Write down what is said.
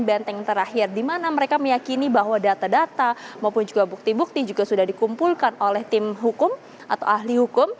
benteng terakhir di mana mereka meyakini bahwa data data maupun juga bukti bukti juga sudah dikumpulkan oleh tim hukum atau ahli hukum